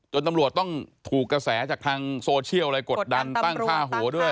ตำรวจต้องถูกกระแสจากทางโซเชียลอะไรกดดันตั้งค่าหัวด้วย